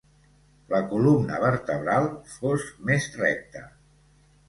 La columna vertebral fos més recte.